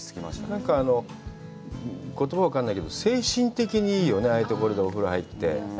なんか言葉分からないけど、精神的にいいよね、ああいうところでお風呂に入って。